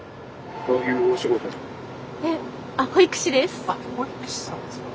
あっ保育士さんですか。